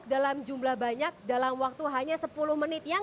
dalam jumlah banyak dalam waktu hanya sepuluh menit yang